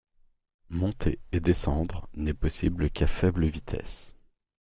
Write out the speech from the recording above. Monter et descendre n'est possible qu'à faible vitesse.